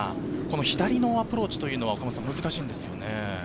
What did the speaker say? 左のアプローチは難しいんですよね。